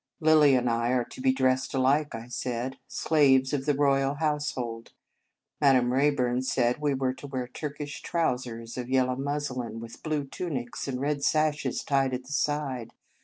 " Lilly and I are to be dressed alike," I said. " Slaves of the royal household. Madame Ra}^burn said we were to wear Turkish trousers of yellow muslin, with blue tunics, and red sashes tied at the side.